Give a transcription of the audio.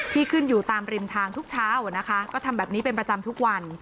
ขึ้นอยู่ตามริมทางทุกเช้าก็ทำแบบนี้เป็นประจำทุกวัน